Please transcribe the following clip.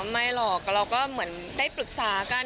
ไม่หรอกเราก็เหมือนได้ปรึกษากัน